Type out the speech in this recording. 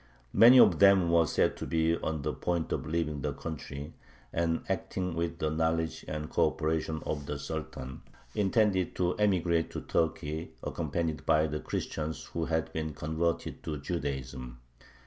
Many of them were said to be on the point of leaving the country, and, acting with the knowledge and co operation of the Sultan, intended to emigrate to Turkey, accompanied by the Christians who had been converted to Judaism.